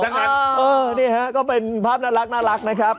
อย่างนั้นเออนี่ฮะก็เป็นภาพน่ารักนะครับ